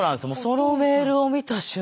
そのメールを見た瞬間